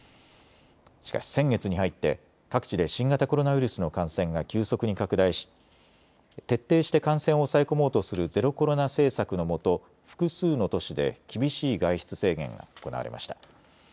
しかし先月に入って各地で新型コロナウイルスの感染が急速に拡大し徹底して感染を抑え込もうとするゼロコロナ政策のもと複数の都市で厳しい外出制限が行われました。